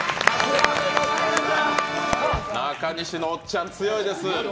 中西のおっちゃん強いです。